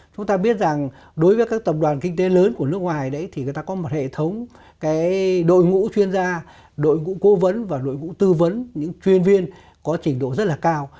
chúng ta biết rằng đối với các tập đoàn kinh tế lớn của nước ngoài đấy thì người ta có một hệ thống đội ngũ chuyên gia đội ngũ cố vấn và đội ngũ tư vấn những chuyên viên có trình độ rất là cao